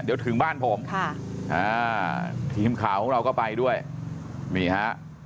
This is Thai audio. เดี๋ยวถึงบ้านผมค่ะอ่าทีมข่าวของเราก็ไปด้วยนี่ฮะ